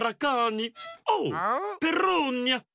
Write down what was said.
おうペローニャ。